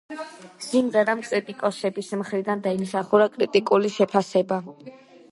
სიმღერამ კრიტიკოსების მხრიდან დაიმსახურა კრიტიკული შეფასება.